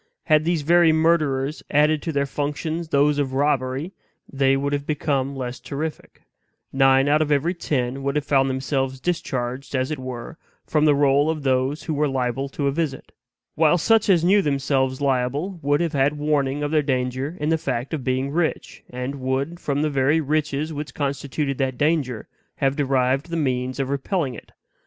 Had these very murderers added to their functions those of robbery, they would have become less terrific; nine out of every ten would have found themselves discharged, as it were, from the roll of those who were liable to a visit; while such as knew themselves liable would have had warning of their danger in the fact of being rich; and would, from the very riches which constituted that danger, have derived the means of repelling it.